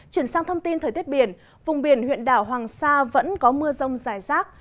chuyển sang thông tin thời tiết biển vùng biển huyện đảo hoàng sa vẫn có mưa rông rải rác